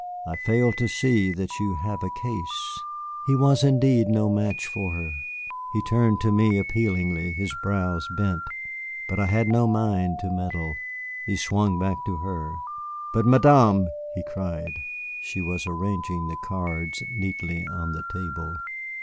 I fail to see that you have a case." He was indeed no match for her. He turned to me appealingly, his brows bent, but I had no mind to meddle. He swung back to her. "But Madame !" he cried. She was arranging the cards neatly on the table.